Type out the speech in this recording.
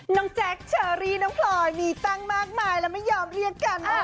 แจ๊คเชอรี่น้องพลอยมีตั้งมากมายแล้วไม่ยอมเรียกกัน